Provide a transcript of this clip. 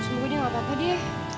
semoga dia gak apa apa dia